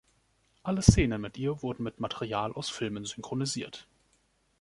Alle Szenen mit ihr wurden mit Material aus Filmen synchronisiert.